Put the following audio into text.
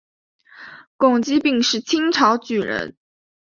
龚积柄是清朝举人。